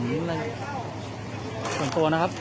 มันก็ไม่ต่างจากที่นี่นะครับ